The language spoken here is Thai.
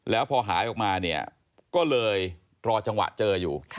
แล้วพอหายออกมาเนี่ยก็เลยรอจังหวะเจออยู่